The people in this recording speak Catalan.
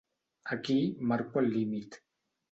Aquí marco el límit.